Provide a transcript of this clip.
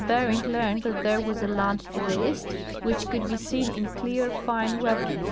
Bering learned that there was a land to the east, which could be seen in clear, fine weather.